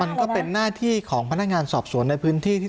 มันก็เป็นหน้าที่ของพนักงานสอบสวนในพื้นที่